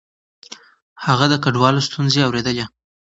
هغه د کډوالو ستونزې اورېدلې.